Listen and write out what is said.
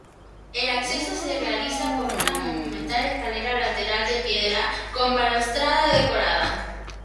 El acceso se realiza por una monumental escalera lateral de piedra con balaustrada decorada.